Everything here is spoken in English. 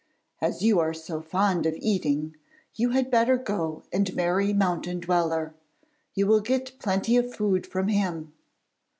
As you are so fond of eating, you had better go and marry Mountain Dweller. You will get plenty of food from him.'